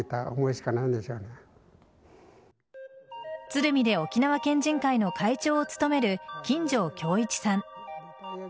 鶴見で沖縄県人会の会長を務める金城京一さん。